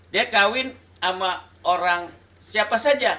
dia kawin sama orang siapa saja